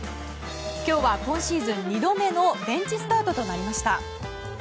今日は今シーズン２度目のベンチスタートとなりました。